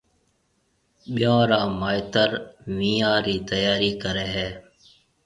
ٻيون را مائيتر وينيان رِي تياري ڪرَي ھيََََ